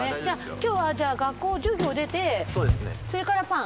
今日はじゃあ学校授業出てそれからパン？